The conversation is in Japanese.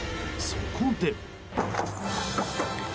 そこで。